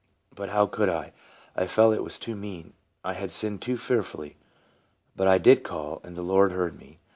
But how could I ? I felt it was too mean ; I had sinned too fearfully But I did call, and the Lord heard me.